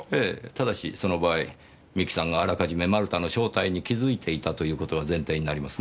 ただしその場合美紀さんがあらかじめ丸田の正体に気づいていたという事が前提になりますね。